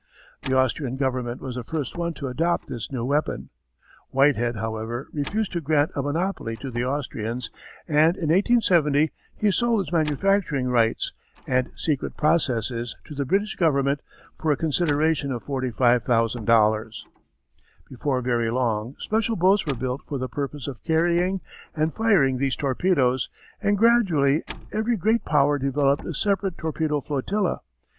The Austrian Government was the first one to adopt this new weapon. Whitehead, however, refused to grant a monopoly to the Austrians and in 1870 he sold his manufacturing rights and secret processes to the British Government for a consideration of $45,000. Before very long, special boats were built for the purpose of carrying and firing these torpedoes and gradually every great power developed a separate torpedo flotilla.